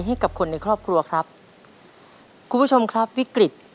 หลักงานสวน